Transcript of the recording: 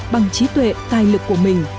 bằng trí tuệ tài lực của mình